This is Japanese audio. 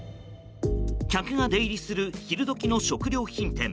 客が出入りする昼時の食料品店。